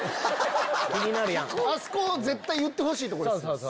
あそこ絶対言ってほしいとこです。